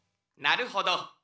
なるほど。